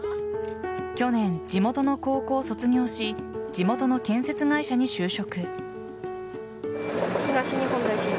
去年地元の高校を卒業し地元の建設会社に就職。